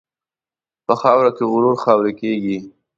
په خاوره کې غرور خاورې کېږي.